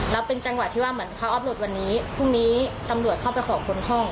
แล้วเป็นจังหวะที่ว่าเหมือนเขาออฟหลุดวันนี้พรุ่งนี้ตำรวจเข้าไปขอคนห้อง